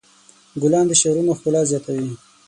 ګلان د شعرونو ښکلا زیاتوي.